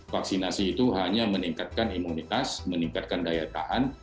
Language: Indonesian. vaksinasi itu hanya meningkatkan imunitas meningkatkan daya tahan